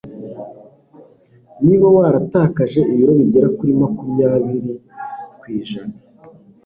Niba waratakaje ibiro bigera kuri makumyabiri kwijana